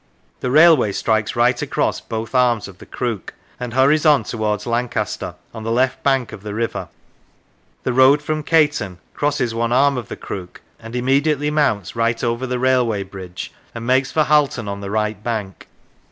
The railway strikes right across both arms of the Crook, and hurries on towards Lancaster, on the left bank of the river; the road from Caton crosses one arm of the Crook, and immediately Lancashire mounts right over the railway bridge and makes for Halt on on the right bank.